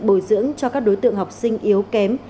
bồi dưỡng cho các đối tượng học sinh yếu kém